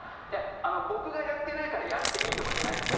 あの僕がやってないからやっていいとかじゃないんですよ